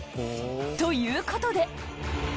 ということで。